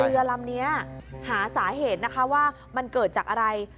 เรือลำนี้หาสาเหตุนะคะว่ามันเกิดจากอะไร